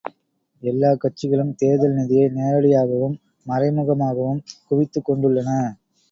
எல்லாக் கட்சிகளும் தேர்தல் நிதியை நேரடியாகவும், மறைமுகமாகவும் குவித்துக் கொண்டுள்ளன.